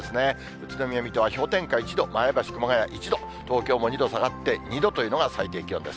宇都宮、水戸は氷点下１度、前橋、熊谷１度、東京も２度下がって２度というのが最低気温です。